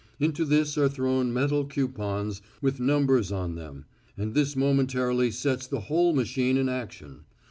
Into this are thrown metal coupons with numbers on them, and this momentarily sets the whole machine in action.